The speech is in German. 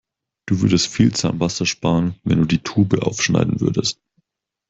Du würdest viel Zahnpasta sparen, wenn du die Tube aufschneiden würdest.